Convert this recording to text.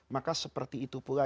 maka seperti itu pula